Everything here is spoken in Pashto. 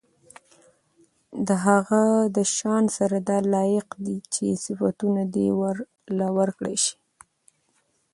د هغه د شان سره دا لائق دي چې صفتونه دي ورله وکړل شي